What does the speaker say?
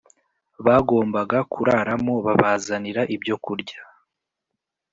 bagombaga kuraramo babazanira ibyo kurya